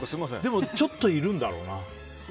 でも、ちょっといるんだろうな。